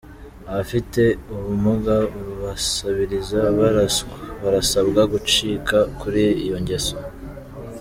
Abafite ubumuga basabiriza barasabwa gucika kuri iyo ngeso